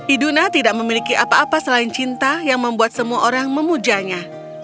iduna tidak memiliki apa apa selain cinta yang membuat semua orang memujanya